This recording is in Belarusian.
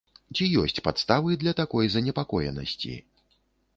Ці ёсць падставы для такой занепакоенасці?